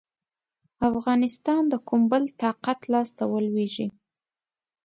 افغانستان د کوم بل طاقت لاسته ولوېږي.